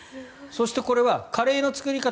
そして、これはカレーの作り方